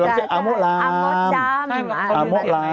โตเตียลาเรียกอัมโมดราม